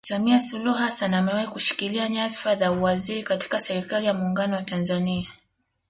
Samia Suluhu Hassan amewahi kushikilia nyadhifa za uwaziri katika serikali ya Muungano wa Tanzania